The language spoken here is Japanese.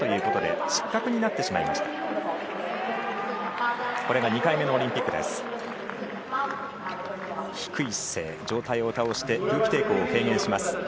これが２回目のオリンピックです。